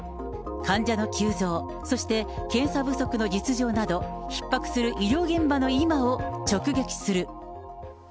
患者の急増、そして検査不足の実情など、ひっ迫する医療現場の今を直撃する。